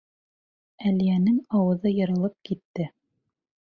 Әлиәнең ауыҙы йырылып китте.